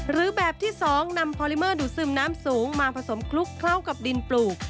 หรือแบบที่๒นำพอลิเมอร์ดูดซึมน้ำสูงมาผสมคลุกเข้ากับดินปลูก